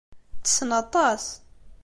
Ttessen aṭas.